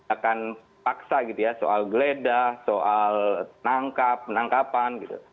akan paksa gitu ya soal geledah soal nangkap penangkapan gitu